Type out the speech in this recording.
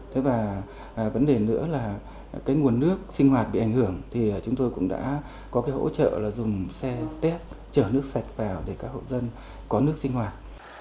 trước mắt các hộ bị ảnh hưởng chúng tôi cũng đã hỗ trợ về vật tư nhân công để làm sao các chỗ ở được đảm bảo